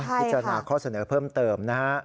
พิจารณาข้อเสนอเพิ่มเติมนะฮะ